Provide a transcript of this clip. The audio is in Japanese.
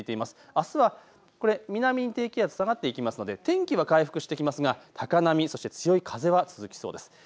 あすは南に低気圧、下がっていきますので天気は回復してきますが高波、そして強い風は続きそうです。